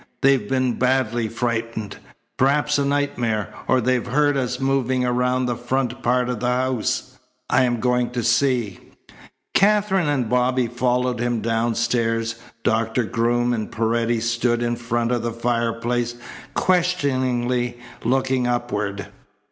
They've been badly frightened. Perhaps a nightmare, or they've heard us moving around the front part of the house. I am going to see." Katherine and Bobby followed him downstairs. Doctor Groom and Paredes stood in front of the fireplace, questioningly looking upward.